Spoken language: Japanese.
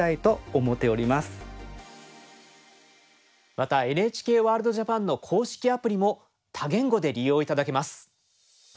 また「ＮＨＫワールドＪＡＰＡＮ」の公式アプリも多言語で利用頂けます。